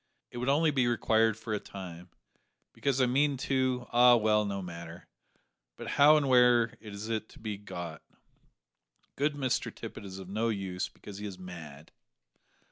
It would only be required for a time, because I mean to ah, well, no matter but how and where is it to be got? Good Mr Tippet is of no use, because he is mad."